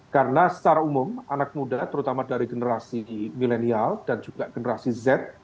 karena secara umum anak muda terutama dari generasi milenial dan juga generasi z